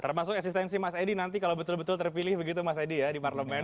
termasuk eksistensi mas edi nanti kalau betul betul terpilih begitu mas edi ya di parlemen